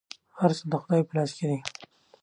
هر څه د خدای په لاس کي دي .